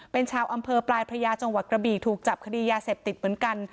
เป็นชาวอำเภอปลายพระยาจังหวัดกระบี่ถูกจับคดียาเสพติดเหมือนกัน